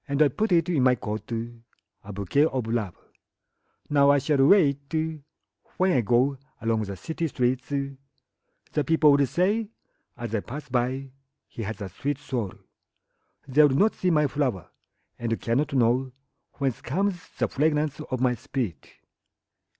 put it in my coat,A bouquet of Love! Now I shall wear itWhen I goAlong the city streets:The people will sayAs I pass by—"He has a sweet soul!"They will not see my flower, And cannot knowWhence comes the fragrance of my spirit!